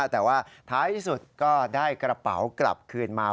แต่ว่าท้ายที่สุดก็ได้กระเป๋ากลับคืนมา